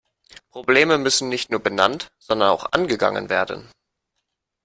Probleme müssen nicht nur benannt, sondern auch angegangen werden.